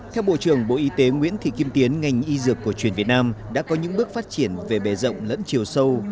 theo bộ trưởng bộ y tế nguyễn thị kim tiến ngành y dược cổ truyền việt nam đã có những bước phát triển về bề rộng lẫn chiều sâu